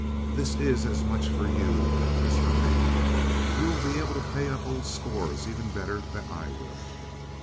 This is as much for you as for me. You will be able to pay up old scores even better than I will."